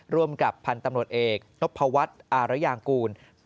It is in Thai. ร่วมกับพันธุ์ตำรวจเอกนพวัฒน์อารยางกูล